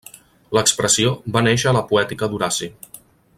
L'expressió va néixer a la poètica d'Horaci.